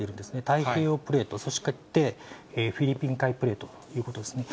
太平洋プレート、そしてフィリピン海プレートということですね。